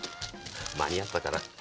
間に合ったかな？